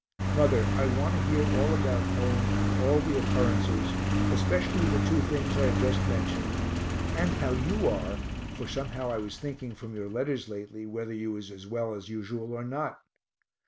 Mother, I want to hear all about home and all the occurrences, especially the two things I have just mentioned, and how you are, for somehow I was thinking from your letters lately whether you was as well as usual or not.